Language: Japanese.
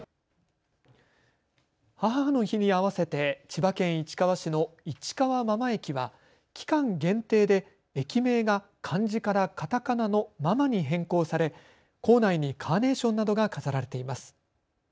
母の日に合わせて千葉県市川市の市川真間駅は期間限定で駅名が漢字からカタカナのママに変更され、構内にカーネーションなどが飾られています。